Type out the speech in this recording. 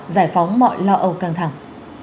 giải phóng mọi lo âu căng thẳng